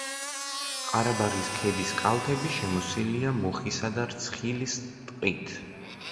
ყარაბაღის ქედის კალთები შემოსილია მუხისა და რცხილის ტყით.